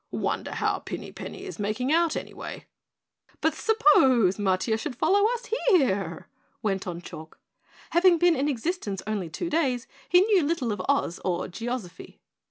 Wonder how Pinny is making out, anyway?" "But suppose Matiah should follow us here?" went on Chalk. Having been in existence only two days, he knew little of Oz or geozophy.